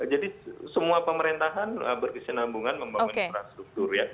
jadi semua pemerintahan berkesinambungan membangun infrastruktur